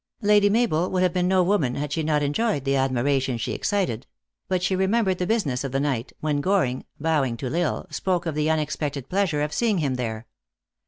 Lady Mabel would have been 110 woman had she not enjoyed the admiration she ex cited ; but she remembered the business of the ni^ht, O " when Goring, bowing to L Isle, spoke of the unex pected pleasure of seeing him here.